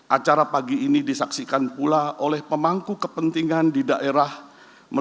acara pagi ini disaksikan pula oleh pemangku kepentingan dan keinginan bapak jokowi